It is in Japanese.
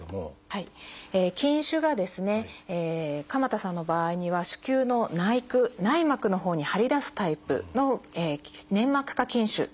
筋腫がですね鎌田さんの場合には子宮の内腔内膜のほうに張り出すタイプの「粘膜下筋腫」というものでした。